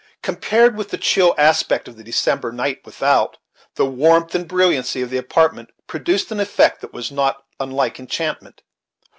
Compared with the chill aspect of the December night without, the warmth and brilliancy of the apartment produced an effect that was not unlike enchantment.